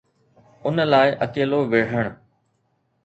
ان لاءِ اڪيلو وڙهڻ